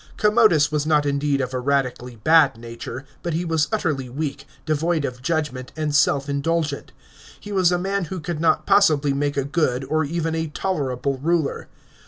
Commodus was not indeed of a radically bad nature, but he was utterly weak, devoid of judgment, and self indulgent. He was a man who could not possi bly make a good or even a tolerable ruler.